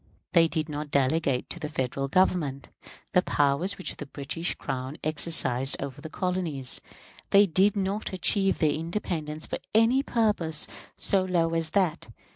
They did not delegate to the Federal Government the powers which the British Crown exercised over the colonies; they did not achieve their independence for any purpose so low as that.